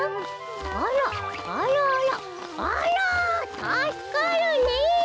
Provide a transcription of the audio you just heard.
あらたすかるねえ。